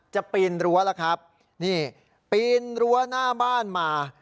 ปีนรั้วแล้วครับนี่ปีนรั้วหน้าบ้านมา